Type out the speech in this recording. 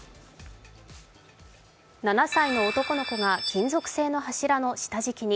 ７歳の男の子が金属製の柱の下敷きに。